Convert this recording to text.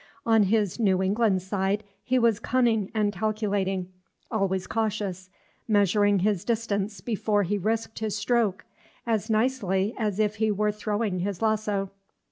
On his New England side he was cunning and calculating, always cautious, measuring his distance before he risked his stroke, as nicely as if he were throwing his lasso.